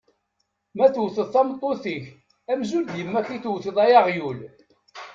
Ma tewteḍ tameṭṭut-ik amzun d yemma-k i tewteḍ, ay aɣyul.